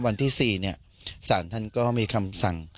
วันที่๔สารท่านก็มีคำสั่ง